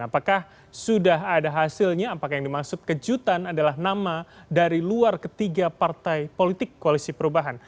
apakah sudah ada hasilnya apakah yang dimaksud kejutan adalah nama dari luar ketiga partai politik koalisi perubahan